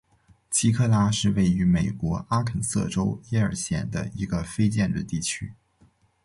奇克拉是位于美国阿肯色州耶尔县的一个非建制地区。